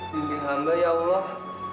dilihamba ya allah